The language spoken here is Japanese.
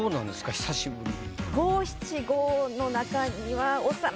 久しぶりに。